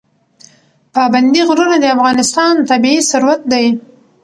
پابندی غرونه د افغانستان طبعي ثروت دی.